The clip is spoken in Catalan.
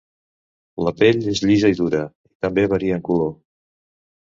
La pell és llisa i dura i també varia en color.